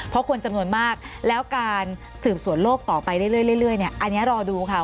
เพราะคนจำนวนมากแล้วการสืบสวนโลกต่อไปเรื่อยเนี่ยอันนี้รอดูค่ะ